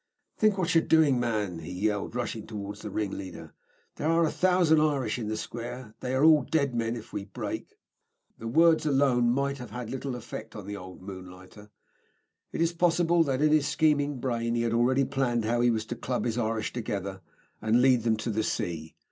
"Think what you are doing, man," he yelled, rushing towards the ringleader. "There are a thousand Irish in the square, and they are dead men if we break." The words alone might have had little effect on the old moonlighter. It is possible that, in his scheming brain, he had already planned how he was to club his Irish together and lead them to the sea.